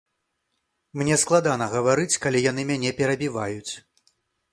Мне складана гаварыць, калі яны мяне перабіваюць.